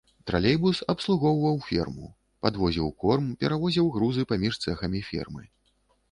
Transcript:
Тралейбус абслугоўваў ферму, падвозіў корм, перавозіў грузы паміж цэхамі фермы.